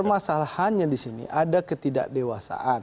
permasalahannya di sini ada ketidakdewasaan